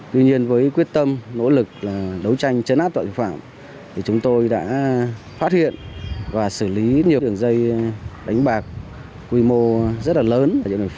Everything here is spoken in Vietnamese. tuy nhiên với quyết tâm nỗ lực đấu tranh chấn áp tội phạm thì chúng tôi đã phát hiện và xử lý nhiều đường dây đánh bạc quy mô rất là lớn